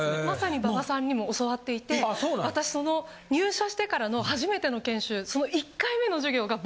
まさに馬場さんにも教わっていて私その入社してからの初めての研修。